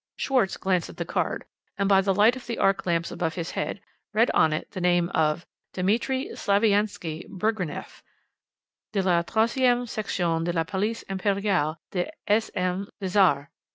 "Schwarz glanced at the card, and by the light of the arc lamps above his head read on it the name of 'Dimitri Slaviansky Burgreneff, de la IIIe Section de la Police Imperial de S.M. le Czar.'